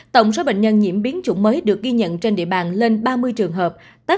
tổng số bệnh nhân nhiễm biến chủng mới được ghi nhận trên địa bàn lên ba mươi trường hợp